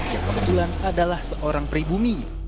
yang kebetulan adalah seorang pribumi